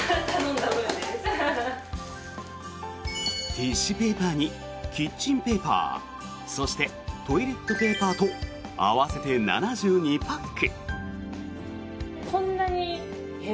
ティッシュペーパーにキッチンペーパーそして、トイレットペーパーと合わせて７２パック。